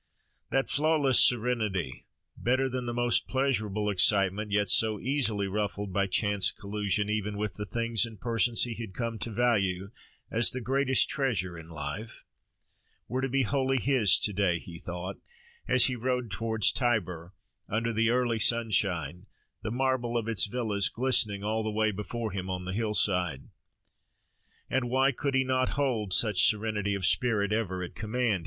That flawless serenity, better than the most pleasurable excitement, yet so easily ruffled by chance collision even with the things and persons he had come to value as the greatest treasure in life, was to be wholly his to day, he thought, as he rode towards Tibur, under the early sunshine; the marble of its villas glistening all the way before him on the hillside. And why could he not hold such serenity of spirit ever at command?